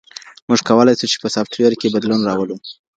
موږ کولای سو چي په سافټویر کي بدلون راولو.